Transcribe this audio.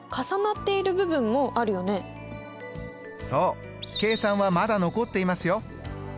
そう計算はまだ残っていますよ。